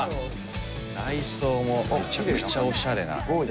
内装もめちゃくちゃオシャレな。